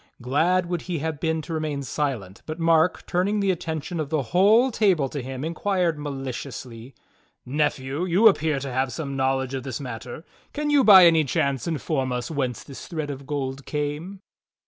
Glad would he have been to remain silent, but Mark, turning the attention of the whole table to him, inquired maliciously: "Nephew, you appear to have some knowledge of this matter. Can you by any chance inform us whence this thread of gold came.